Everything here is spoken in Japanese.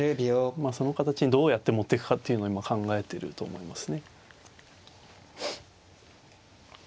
その形にどうやって持ってくかっていうのを今考えてると思いますね。